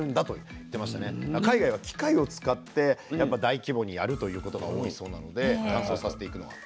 海外は機械を使って大規模にやるということが多いそうなので乾燥させていくのが。